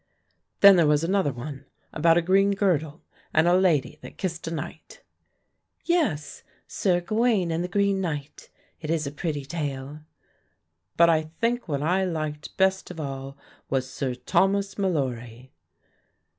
"Then there was another one about a green girdle and a lady that kissed a knight." "Yes, 'Sir Gawain and the Green Knight'; it is a pretty tale." "But I think what I liked best of all was Sir Thomas Malory."